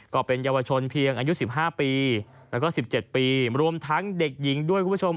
ก็เป็นเยาวชนเพียงอายุ๑๕ปีแล้วก็๑๗ปีรวมทั้งเด็กหญิงด้วยคุณผู้ชม